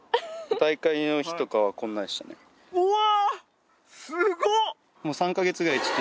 うわ！